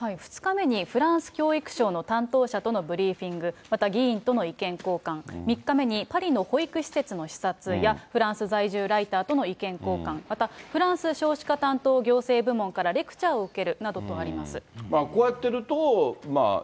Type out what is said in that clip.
フランス教育省の担当者とはブリーフィング、また議員との意見交換、３日目にパリの保育施設の視察や、フランス在住ライターとの意見交換、またフランス少子化行政担当部門からレクチャーを受けるなどとあります。